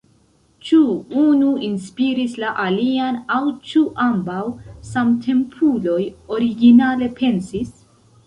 Ĉu unu inspiris la alian aŭ ĉu ambaŭ, samtempuloj, originale pensis?